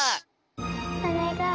おねがい。